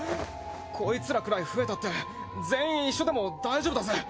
コイツらくらい増えたって全員一緒でも大丈夫だぜ。